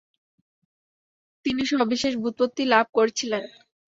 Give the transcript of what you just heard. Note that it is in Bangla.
তিনি সবিশেষ ব্যুৎপত্তি লাভ করেছিলেন।